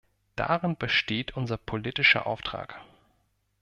Darin besteht unser politischer Auftrag.